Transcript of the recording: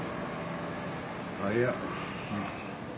あっいや。